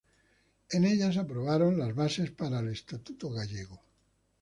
En ella se aprobaron las "Bases para el Estatuto Gallego".